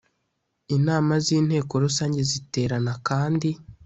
inama z inteko rusange ziterana kandi